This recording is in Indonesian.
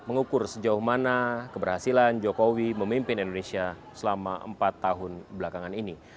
mengukur sejauh mana keberhasilan jokowi memimpin indonesia selama empat tahun belakangan ini